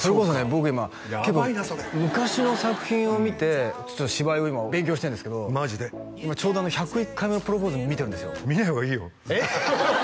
僕今結構昔の作品を見て芝居を今勉強してるんですけど今ちょうど「１０１回目のプロポーズ」見てるんですよ見ない方がいいよえっ？